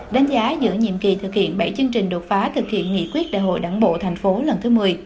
đánh giá giữa nhiệm kỳ thực hiện bảy chương trình đột phá thực hiện nghị quyết đảng bộ tp hcm lần thứ một mươi